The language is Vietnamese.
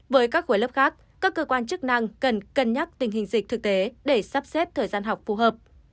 với các khối lớp khác các cơ quan chức năng cần cân nhắc tình hình dịch thực tế để sắp xếp thời gian học phù hợp